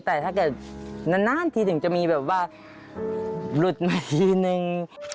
แต่ถ้าเกิดนานทีถึงจะมีแบบว่าหลุดมาทีนึง